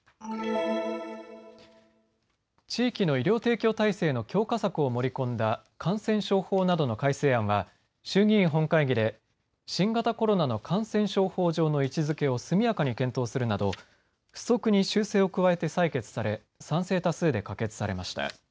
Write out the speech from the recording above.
地域の医療提供体制の強化策を盛り込んだ感染症法などの改正案は衆議院本会議で新型コロナの感染症法上の位置づけを速やかに検討するなど付則に修正を加えて採決され賛成多数で可決されました。